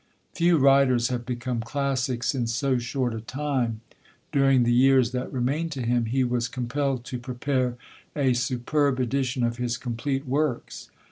Few writers have become "classics" in so short a time; during the years that remained to him, he was compelled to prepare a superb edition of his Complete Works.